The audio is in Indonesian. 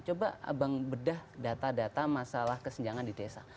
coba abang bedah data data masalah kesenjangan di desa